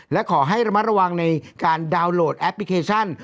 และขอให้ระมัดระวังในการดาวน์โหลดแอปพลิเคชัน